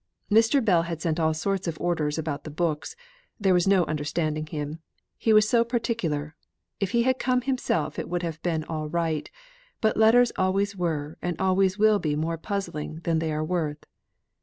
Mr. Bell had sent all sorts of orders about the books; there was no understanding him, he was so particular; if he had come himself it would have been all right, but letters always were and always will be more puzzling than they are worth.